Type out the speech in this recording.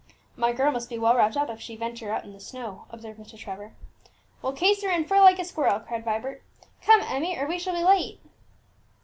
"My girl must be well wrapped up if she venture out in the snow," observed Mr. Trevor. "We'll case her in fur like a squirrel!" cried Vibert. "Come, Emmie, or we shall be late."